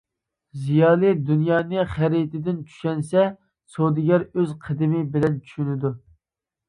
زىيالىي دۇنيانى خەرىتىدىن چۈشەنسە، سودىگەر ئۆز قەدىمى بىلەن چۈشىنىدۇ.